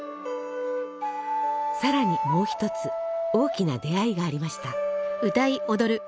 さらにもう一つ大きな出会いがありました。